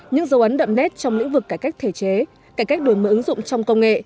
những dấu ấn đậm nét trong lĩnh vực cải cách thể chế cải cách đổi mở ứng dụng trong công nghệ